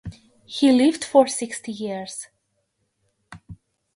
He lived for sixty years.